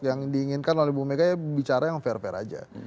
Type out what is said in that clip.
yang diinginkan oleh ibu mega ya bicara yang fair fair aja